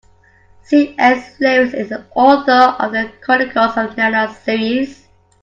C.S. Lewis is the author of The Chronicles of Narnia series.